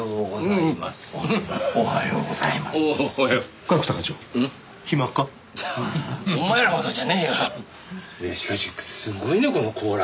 いやしかしすごいねこの甲羅。